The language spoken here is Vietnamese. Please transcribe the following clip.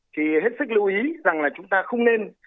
thì hết sức lưu ý rằng là chúng ta không nên